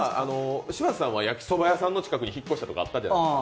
柴田さんは焼きそば屋の近くに引っ越したとかあったじゃないですか。